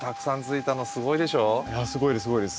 いやすごいですすごいです。